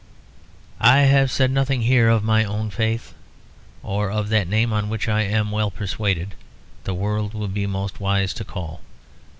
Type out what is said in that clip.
I have said nothing here of my own faith, or of that name on which, I am well persuaded, the world will be most wise to call.